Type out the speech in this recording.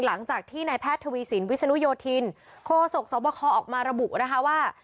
หลังจากที่นายแพทย์ทวีสินวิศนุโยธินโคศกสวบคออกมาระบุนะคะว่า